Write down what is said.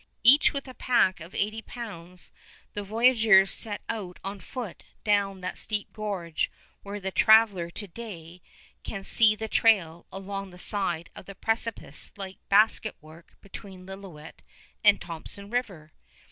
Each with a pack of eighty pounds, the voyageurs set out on foot down that steep gorge where the traveler to day can see the trail along the side of the precipice like basket work between Lilloet and Thompson River.